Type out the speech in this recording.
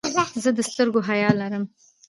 زه د سترګو حیا لرم.